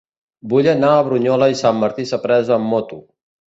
Vull anar a Brunyola i Sant Martí Sapresa amb moto.